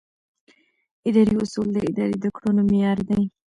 اداري اصول د ادارې د کړنو معیار دي.